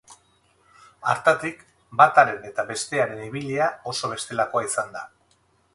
Hartatik, bataren eta bestearen ibilia oso bestelakoa izan da.